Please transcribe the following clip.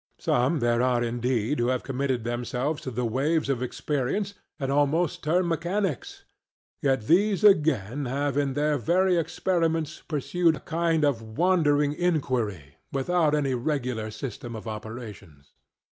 Some there are indeed who have committed themselves to the waves of experience, and almost turned mechanics; yet these again have in their very experiments pursued a kind of wandering inquiry, without any regular system of operations.